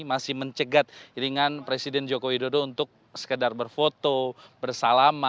masih mencegat iringan presiden joko widodo untuk sekedar berfoto bersalaman